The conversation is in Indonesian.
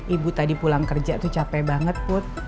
ibu tadi pulang kerja tuh capek banget put